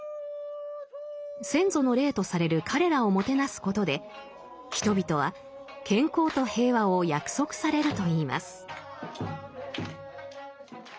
先祖の霊とされる彼らをもてなすことで人々は健康と平和を約束されるといいます。